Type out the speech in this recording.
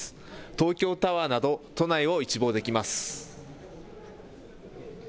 東京タワーなど都内を一望できます。